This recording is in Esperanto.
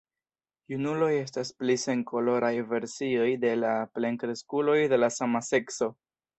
Junuloj estas pli senkoloraj versioj de la plenkreskuloj de la sama sekso.